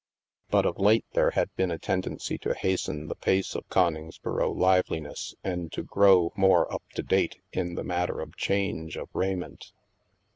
But of late there had been a tendency to hasten the pace of Coningsboro liveliness and to grow more up to date in the matter of change of raiment.